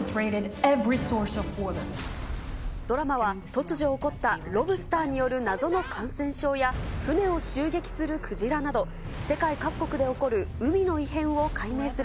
ドラマは突如起こったロブスターによる謎の感染症や、船を襲撃するクジラなど、世界各国で起こる海の異変を解明する、